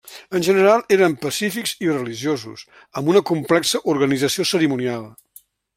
En general, eren pacífics i religiosos, amb una complexa organització cerimonial.